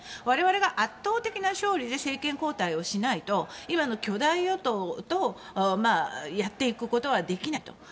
我々が圧倒的な勝利で政権交代をしないと今の巨大与党とやっていくことはできないと。